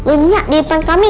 iya di depan kami